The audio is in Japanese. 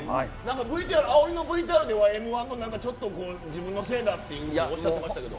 あおりのＶＴＲにはＭ‐１でちょっと自分のせいだとおっしゃってましたけど。